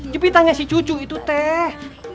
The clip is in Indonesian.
jepitannya si cucu itu teh